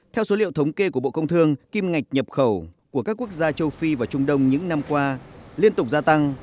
theo số liệu thống kê của bộ công thương kim ngạch nhập khẩu của các quốc gia châu phi và trung đông những năm qua liên tục gia tăng